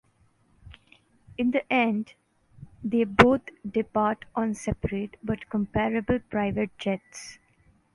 In the end, they both depart on separate but comparable private jets.